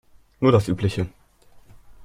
Nur das Übliche.